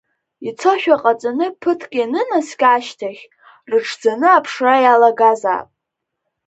Ицошәа ҟаҵаны ԥыҭк ианынаскьа ашьҭахь, рыҽӡаны аԥшра иалагазаап…